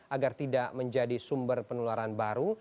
agar tidak menjadi sumber penularan baru